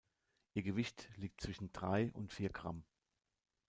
Ihr Gewicht liegt zwischen drei und vier Gramm.